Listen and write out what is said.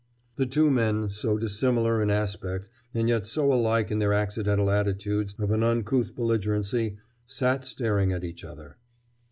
The two men, so dissimilar in aspect and yet so alike in their accidental attitudes of an uncouth belligerency, sat staring at each other.